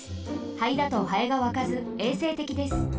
灰だとハエがわかずえいせいてきです。